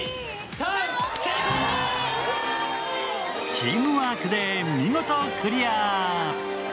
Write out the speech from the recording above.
チームワークで見事クリア。